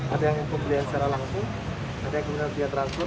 ada yang pembelian secara langsung ada yang menggunakan transfer